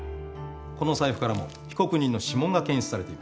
この財布からも被告人の指紋が検出されています。